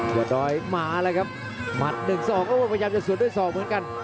ยอดดอยหมาเลยครับหมัด๑๒โอ้โหพยายามจะสวนด้วย๒เหมือนกัน